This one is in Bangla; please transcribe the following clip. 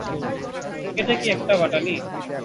এটা কি একটা বাটালি?